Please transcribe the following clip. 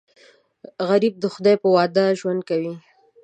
غریب د خدای په وعده ژوند کوي